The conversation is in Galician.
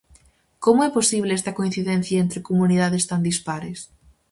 Como é posible esta coincidencia entre comunidades tan dispares?